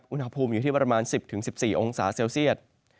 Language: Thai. อุณหภูมิอยู่ที่ประมาณ๑๐๑๔องศาเซลเซียต